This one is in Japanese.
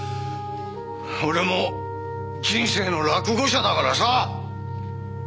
俺も人生の落伍者だからさ！